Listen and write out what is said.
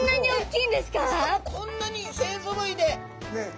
しかもこんなに勢ぞろいで。